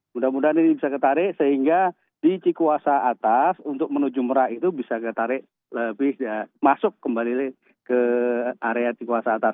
mudah mudahan ini bisa ketarik sehingga di cikuasa atas untuk menuju merak itu bisa ketarik lebih masuk kembali ke area cikuasa atas